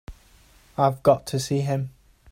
I've got to see him.